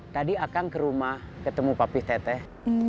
tadi akan ke rumah ketemu papi teteh